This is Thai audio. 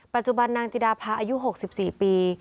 ปัจจุบันนางจิดาพาอายุ๖๔ปี